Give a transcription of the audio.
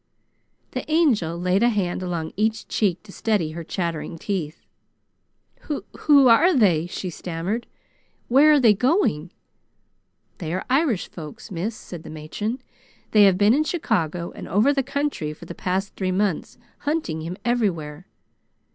The Angel laid a hand along each cheek to steady her chattering teeth. "Who are they?" she stammered. "Where are they going?" "They are Irish folks, miss," said the matron. "They have been in Chicago and over the country for the past three months, hunting him everywhere.